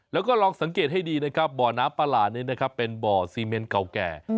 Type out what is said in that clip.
แล้วก็ลองสังเกตให้ดีนะครับบ่อน้ำประหลาดนี้นะครับเป็นบ่อซีเมนเก่าแก่